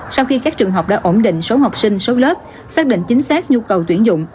sau khi các trường học đã ổn định số học sinh số lớp xác định chính xác nhu cầu tuyển dụng